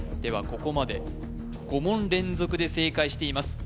ここまで５問連続で正解しています